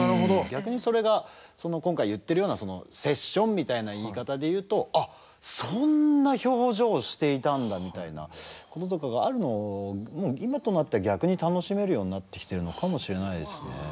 逆にそれが今回言ってるようなセッションみたいな言い方で言うと「あっそんな表情をしていたんだ」みたいなこととかがあるのも今となっては逆に楽しめるようになってきてるのかもしれないですね。